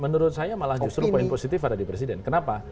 menurut saya malah justru poin positif ada di presiden kenapa